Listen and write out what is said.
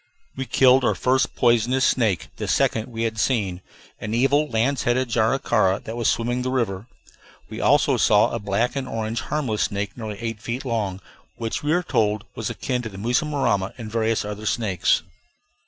We killed our first poisonous snake (the second we had seen), an evil lance headed jararaca that was swimming the river. We also saw a black and orange harmless snake, nearly eight feet long, which we were told was akin to the mussurama; and various other snakes.